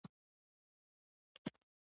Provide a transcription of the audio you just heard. آیا د پښتنو دودونه به تل ژوندي نه وي؟